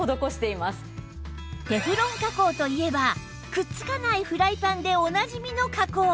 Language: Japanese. テフロン加工といえばくっつかないフライパンでおなじみの加工